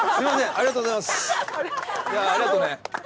ありがとうございます。